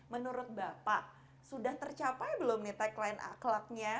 menurut bapak sudah tercapai belum nih tagline akhlaknya